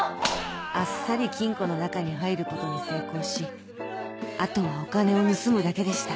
あっさり金庫の中に入ることに成功しあとはお金を盗むだけでした